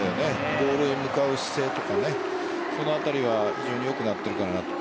ボールに向かう姿勢とかそのあたりは非常に良くなっているかなと。